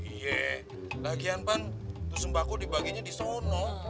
iya lagian pan itu sembako dibaginya di sono